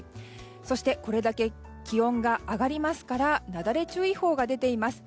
そしてこれだけ気温が上がりますからなだれ注意報が出ています。